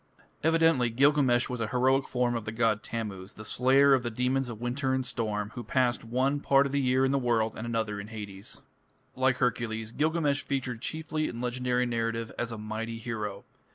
" Evidently Gilgamesh was a heroic form of the god Tammuz, the slayer of the demons of winter and storm, who passed one part of the year in the world and another in Hades (Chapter VI). Like Hercules, Gilgamesh figured chiefly in legendary narrative as a mighty hero.